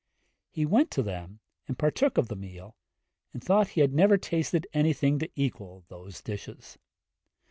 He went to them and partook of the meal, and thought he had never tasted anything to equal those dishes.